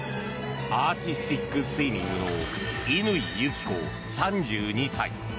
アーティスティックスイミングの乾友紀子、３２歳。